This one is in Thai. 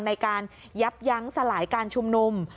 ในการยับยั้งสลายการชุมนุม